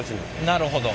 なるほど。